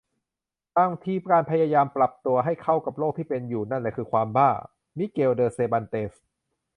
"บางทีการพยายามปรับตัวให้เข้ากับโลกที่เป็นอยู่นั่นแหละคือความบ้า " - มิเกล เด เซร์บันเตส